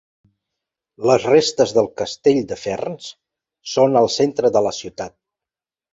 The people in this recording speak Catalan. Les restes del castell de Ferns són al centre de la ciutat.